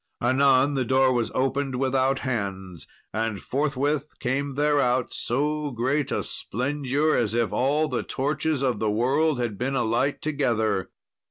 Anon the door was opened without hands, and forthwith came thereout so great a splendour as if all the torches of the world had been alight together.